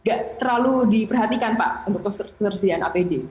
tidak terlalu diperhatikan pak untuk ketersediaan apd